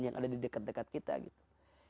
yang ada di dekat dekat kita gitu